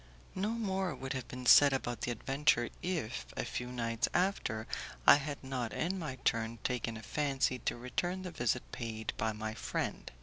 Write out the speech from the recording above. No more would have been said about the adventure if, a few nights after, I had not in my turn taken a fancy to return the visit paid by my friend.